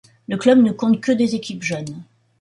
Le club ne compte que des équipes jeunes.